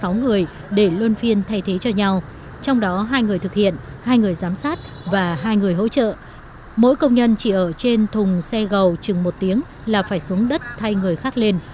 mỗi công nhân chỉ ở trên thùng xe gầu chừng một tiếng là phải xuống đất thay người khác lên